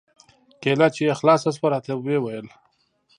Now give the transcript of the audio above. کېله چې يې خلاصه سوه راته ويې ويل.